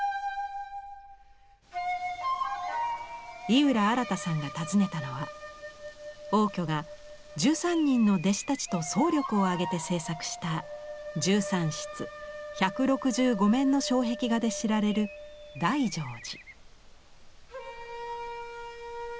井浦新さんが訪ねたのは応挙が１３人の弟子たちと総力を挙げて制作した１３室１６５面の障壁画で知られる大乗寺。